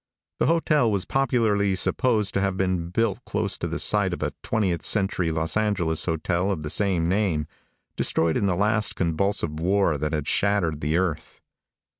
The hotel was popularly supposed to have been built close to the site of a twentieth century Los Angeles hotel of the same name, destroyed in the last convulsive war that had shattered the earth.